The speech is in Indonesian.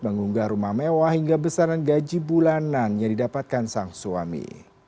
mengunggah rumah mewah hingga besaran gaji bulanan yang didapatkan sang suami